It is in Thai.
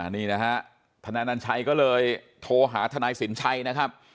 นี่นะฮะทนายนัญชัยก็เลยโทรหาทนายสินชัยนะครับ